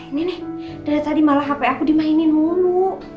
ini nih dari tadi malah hp aku dimainin mumu